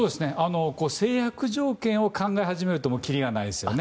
制約条件を考え始めるときりがないですよね。